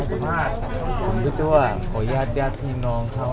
สมบัติของพี่ทั่วขออาญญาติพี่น้องเท่านั้น